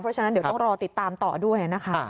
เพราะฉะนั้นเดี๋ยวต้องรอติดตามต่อด้วยนะคะ